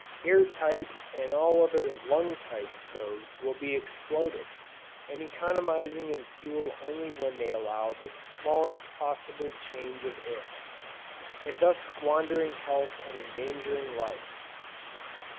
Air tight and all other lung tight stoves will be exploded, as economizing in fuel only when they allow the smallest possible change of air, and thus squandering health and endangering life.